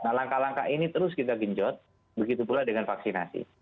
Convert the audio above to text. nah langkah langkah ini terus kita genjot begitu pula dengan vaksinasi